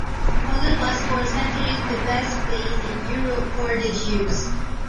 Poland was for centuries the best place in Europe for the Jews.